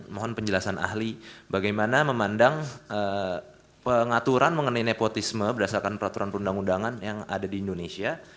mohon penjelasan ahli bagaimana memandang pengaturan mengenai nepotisme berdasarkan peraturan perundang undangan yang ada di indonesia